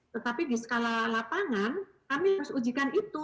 tetapi di skala lapangan kami harus ujikan itu